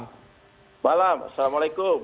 selamat malam assalamualaikum